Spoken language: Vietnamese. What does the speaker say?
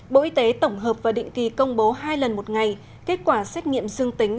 bộ y tế tổng hợp và định kỳ công bố hai lần một ngày kết quả xét nghiệm dương tính